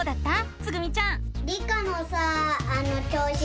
つぐみちゃん。